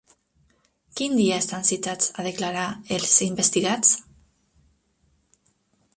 Quin dia estan citats a declarar els investigats?